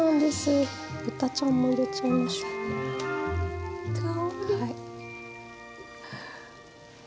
豚ちゃんも入れちゃいましょう。